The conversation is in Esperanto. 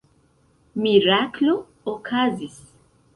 Miraklo okazis.